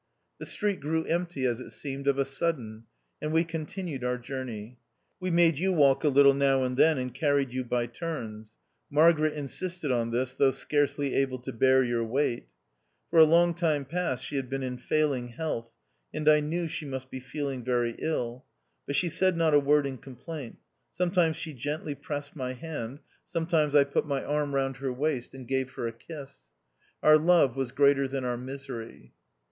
The street grew empty, as it seemed, of a sudden, and we continued our journey. We made you walk a little now and then, and carried you by turns. Margaret insisted on this, though scarcely able to bear your weight. For a long time past she had been in failing health, and I knew she must be feeling very ill ; but she said not a word in complaint. Sometimes she gently pressed my hand ; sometimes I put my arm round N i 9 4 THE OUTCAST. her waist and gave her a kiss. Our love was greater than our misery.